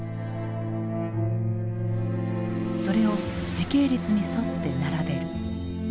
それを時系列に沿って並べる。